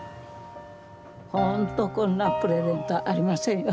ほんとこんなプレゼントありませんよ。